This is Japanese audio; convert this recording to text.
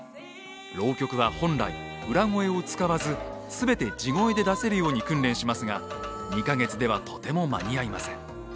浪曲は本来裏声を使わず全て地声で出せるように訓練しますが２か月ではとても間に合いません。